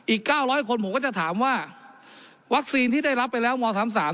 เก้าร้อยคนผมก็จะถามว่าวัคซีนที่ได้รับไปแล้วม๓๓